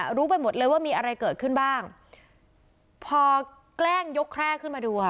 รู้ไปหมดเลยว่ามีอะไรเกิดขึ้นบ้างพอแกล้งยกแคร่ขึ้นมาดูค่ะ